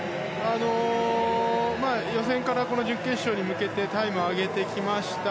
予選から準決勝に向けてタイムを上げてきました。